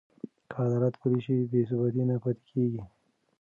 که عدالت پلی شي، بې ثباتي نه پاتې کېږي.